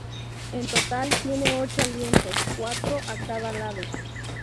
En total tiene ocho lienzos, cuatro a cada lado.